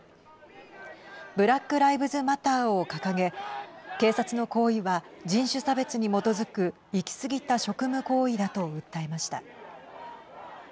ブラック・ライブズ・マターを掲げ警察の行為は、人種差別に基づく行き過ぎた職務行為だと訴えました。